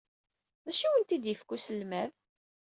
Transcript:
D acu ay awent-d-yefka uselmad?